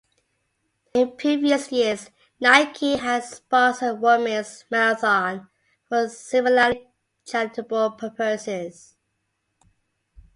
In previous years, Nike has sponsored a women's marathon for similarly charitable purposes.